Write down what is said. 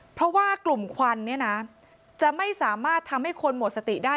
เพราะว่ากลุ่มควันเนี่ยนะจะไม่สามารถทำให้คนหมดสติได้